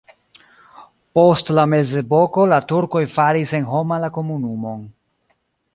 Post la mezepoko la turkoj faris senhoma la komunumon.